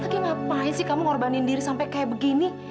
aki ngapain sih kamu ngorbanin diri sampai kayak begini